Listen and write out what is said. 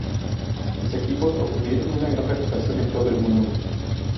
Sus equipos obtuvieron una gran reputación en todo el mundo.